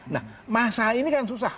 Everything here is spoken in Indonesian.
nah masa ini kan susah